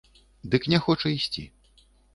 Дык не хоча ісці.